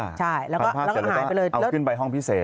พันผ้าจะเอาขึ้นไปห้องพิเศษ